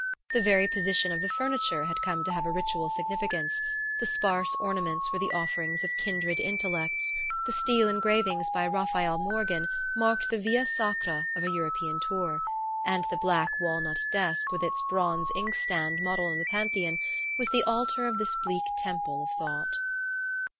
The very position of the furniture had come to have a ritual significance: the sparse ornaments were the offerings of kindred intellects, the steel engravings by Raphael Morghen marked the Via Sacra of a European tour, and the black walnut desk with its bronze inkstand modelled on the Pantheon was the altar of this bleak temple of thought.